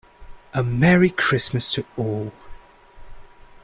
A Merry Christmas to all!